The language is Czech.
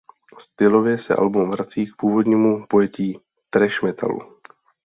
Stylově se album vrací k původnímu pojetí thrash metalu.